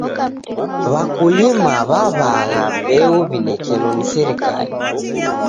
W'akulima w'aw'agha mbeu w'inekelo ni serikali.